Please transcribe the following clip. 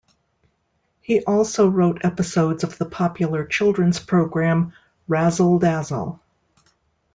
He also wrote episodes of the popular children's program "Razzle Dazzle".